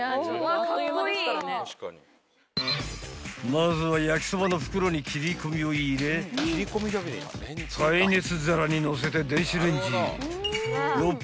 ［まずは焼そばの袋に切り込みを入れ耐熱皿にのせて電子レンジへ］